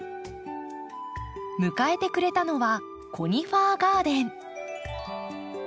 迎えてくれたのはコニファーガーデン。